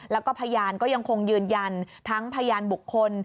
แล้วก็พยานก็ยังคงยืนยันทั้งพยานบุคคล